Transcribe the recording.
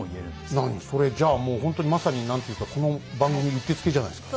何それじゃあもうほんとにまさに何ていうかこの番組うってつけじゃないですか。